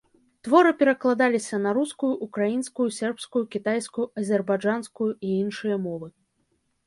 Творы перакладаліся на рускую, украінскую, сербскую, кітайскую, азербайджанскую і іншыя мовы.